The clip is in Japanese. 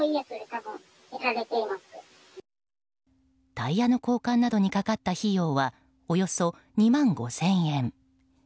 タイヤの交換などにかかった費用はおよそ２万５０００円。